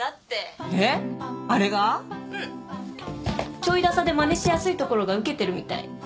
ちょいださでまねしやすいところがウケてるみたい。